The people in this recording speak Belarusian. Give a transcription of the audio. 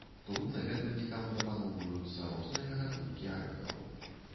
Тут наведвальнікам прапаноўваюцца розныя гатункі арэхаў.